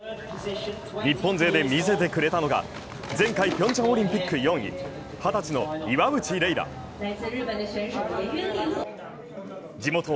日本勢で見せてくれたのが、前回ピョンチャンオリンピック４位二十歳の岩渕麗楽。